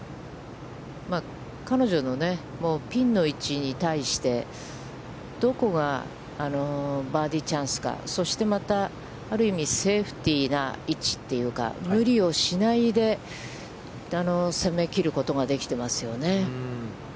ピンの位置に対してどこがバーディーチャンスか、そしてまた、ある意味セーフティーな位置というか、無理をしないで攻め切ることができていますよね。